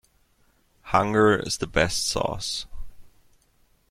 Hunger is the best sauce.